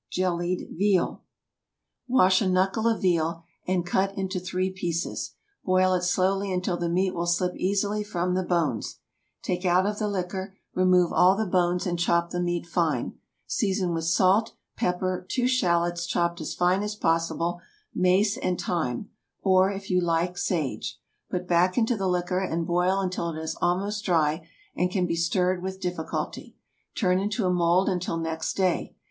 JELLIED VEAL. Wash a knuckle of veal, and cut it into three pieces. Boil it slowly until the meat will slip easily from the bones; take out of the liquor; remove all the bones, and chop the meat fine. Season with salt, pepper, two shallots chopped as fine as possible, mace and thyme, or, if you like, sage. Put back into the liquor, and boil until it is almost dry and can be stirred with difficulty. Turn into a mould until next day.